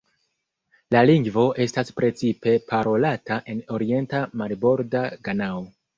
La lingvo estas precipe parolata en orienta marborda Ganao.